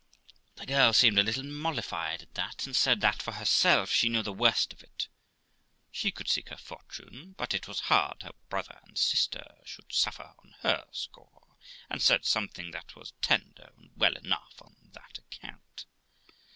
The girl seemed a little mollified at that, and said that, for herself, she knew the worst of it, she could seek her fortune; but it was hard her brother and sister should suffer on her score; and said something that was tender and well enough on that account.